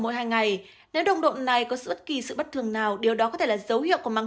mỗi hai ngày nếu nồng độ này có sự bất kỳ sự bất thường nào điều đó có thể là dấu hiệu của mang